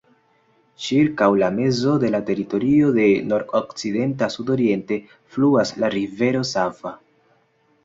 Ĉirkaŭ la mezo de la teritorio, de nordokcidenta sudoriente, fluas la rivero Sava.